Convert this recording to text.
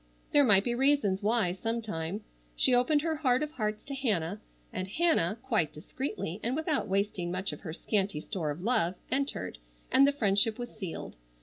There might be reasons why, sometime. She opened her heart of hearts to Hannah, and Hannah, quite discreetly, and without wasting much of her scanty store of love, entered, and the friendship was sealed.